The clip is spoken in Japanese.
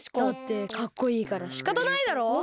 だってかっこいいからしかたないだろ。